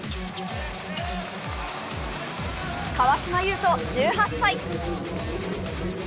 川島悠翔、１８歳。